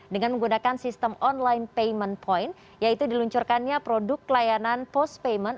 dengan menggunakan sistem online payment point yaitu diluncurkannya produk layanan post payment